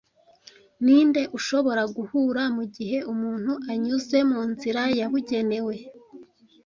Ninde ushobora guhura mugihe umuntu anyuze munzira yabugenewe